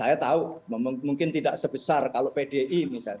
saya tahu mungkin tidak sebesar kalau pdi misalnya